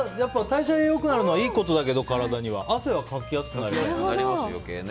代謝良くなるのはいいことだけど、体には。汗はかきやすくなりますよね。